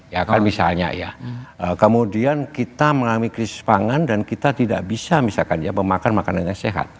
ya kan misalnya ya kemudian kita mengalami krisis pangan dan kita tidak bisa misalkan ya memakan makanan yang sehat